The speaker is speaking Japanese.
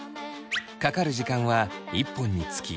かかる時間は１本につき１秒くらい。